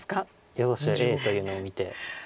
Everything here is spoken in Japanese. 予想手Ａというのを見て。